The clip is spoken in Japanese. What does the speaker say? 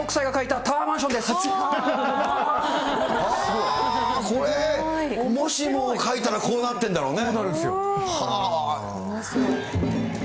はー、これ、もしも描いたら、こうなってんだろうね。